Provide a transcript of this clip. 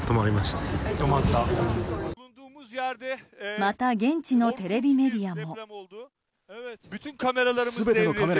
また現地のテレビメディアも。